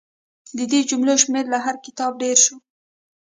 د دې جملو شمېر له هر کتاب ډېر شو.